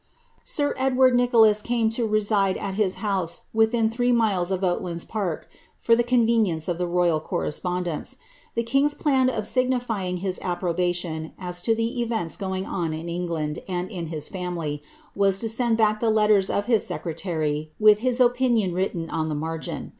Sir Edward Nicholas came to reside at his house within three milei of Oatlands park, for the convenience of the royal correspondence. The king's plan of signifying his approbation, as to the events going on in England and in his family, was to send back the letters of his secRiaiy with his opinion written on the margin.